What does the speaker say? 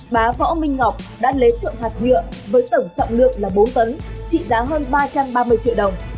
bà võ minh ngọc đã lấy trộm hạt nhựa với tổng trọng lượng là bốn tấn trị giá hơn ba trăm ba mươi triệu đồng